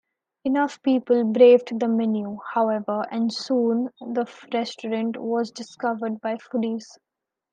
Enough people braved the menu, however, and soon the restaurant was discovered by foodies.